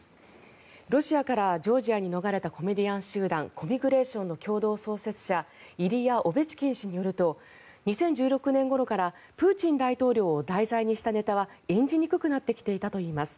ロシアからジョージアに逃れたコメディアン集団コミグレーションの共同創設者イリヤ・オベチキン氏によると２０１６年ごろからプーチン大統領を題材にしたネタは演じにくくなってきていたといいます。